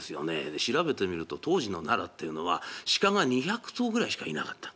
で調べてみると当時の奈良っていうのは鹿が２００頭ぐらいしかいなかった。